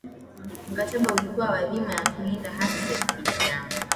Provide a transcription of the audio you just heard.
mkataba ulikuwa na dhima ya kulinda haki za binadamu